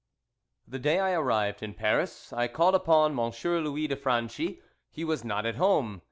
THE day I arrived in Paris I called upon M. Louis de Franchi. He was not at home.